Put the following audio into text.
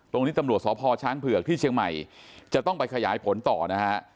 ตรงนี้ตำรวจสพช้างเผือกที่เชียงใหม่จะต้องไปขยายผลต่อนะฮะ